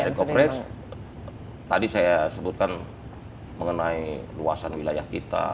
dari coverage tadi saya sebutkan mengenai luasan wilayah kita